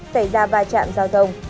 xảy ra va chạm giao thông